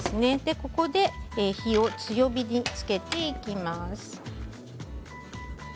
ここで火を強火にしていきます。